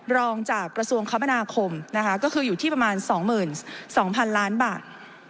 รองจากกระทรวงคำบนาคมนะคะก็คืออยู่ที่ประมาณสองหมื่นสองพันล้านบาท